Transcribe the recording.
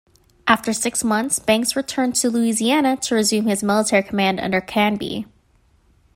After six months, Banks returned to Louisiana to resume his military command under Canby.